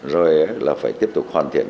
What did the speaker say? rồi là phải tiếp tục hoàn thiện